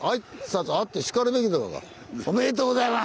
「おめでとうございます！」